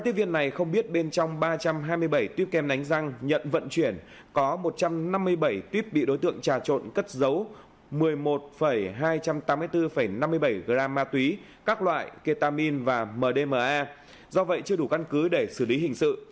hôm nay không biết bên trong ba trăm hai mươi bảy tiếp ken đánh răng nhận vận chuyển có một trăm năm mươi bảy tiếp bị đối tượng trà trộn cất dấu một mươi một hai trăm tám mươi bốn năm mươi bảy gram ma túy các loại ketamine và mdma do vậy chưa đủ căn cứ để xử lý hình sự